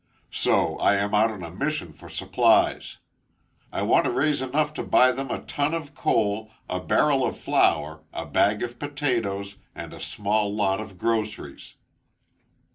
So I am out on a mission for supplies. I want to raise enough to buy them a ton of coal, a barrel of flour, a bag of potatoes, and a small lot of groceries."